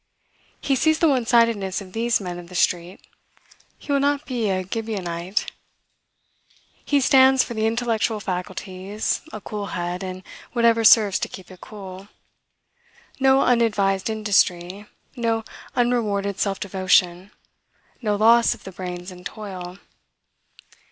He sees the one sidedness of these men of the street; he will not be a Gibeonite; he stands for the intellectual faculties, a cool head, and whatever serves to keep it cool; no unadvised industry, no unrewarded self devotion, no loss of the brains in toil.